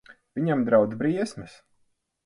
Viņam draud briesmas.